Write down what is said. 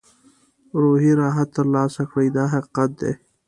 روحي راحت ترلاسه کړي دا حقیقت دی.